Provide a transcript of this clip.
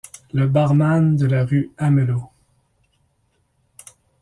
Le barman de la rue Amelot.